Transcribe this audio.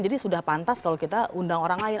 jadi sudah pantas kalau kita undang orang lain